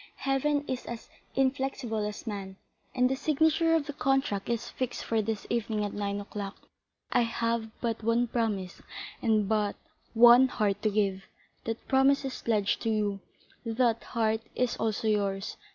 Heaven is as inflexible as man, and the signature of the contract is fixed for this evening at nine o'clock. I have but one promise and but one heart to give; that promise is pledged to you, that heart is also yours.